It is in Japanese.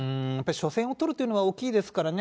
初戦を取るというのは、大きいですからね。